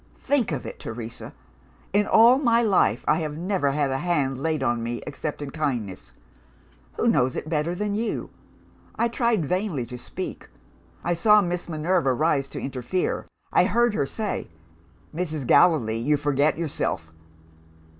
Think of it, Teresa! In all my life I have never had a hand laid on me except in kindness. Who knows it better than you! I tried vainly to speak I saw Miss Minerva rise to interfere I heard her say, 'Mrs. Gallilee, you forget yourself!